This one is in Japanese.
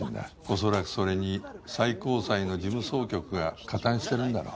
恐らくそれに最高裁の事務総局が加担してるんだろう